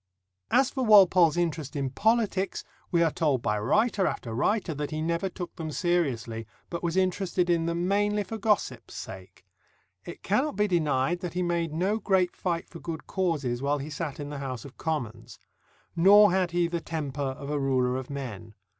As for Walpole's interest in politics, we are told by writer after writer that he never took them seriously, but was interested in them mainly for gossip's sake. It cannot be denied that he made no great fight for good causes while he sat in the House of Commons. Nor had he the temper of a ruler of men.